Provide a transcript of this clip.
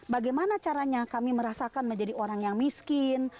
bagaimana caranya kami merasakan menjadi orang yang miskin